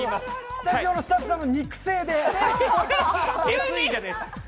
スタジオのスタッフさんの肉声で。